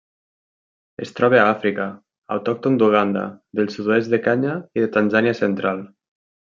Es troba a Àfrica: autòcton d'Uganda, del sud-oest de Kenya i de Tanzània central.